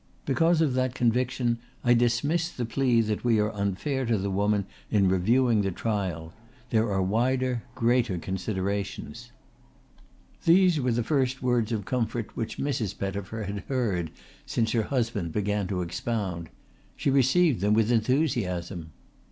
Because of that conviction I dismiss the plea that we are unfair to the woman in reviewing the trial. There are wider, greater considerations." These were the first words of comfort which Mrs. Pettifer had heard since her husband began to expound. She received them with enthusiasm.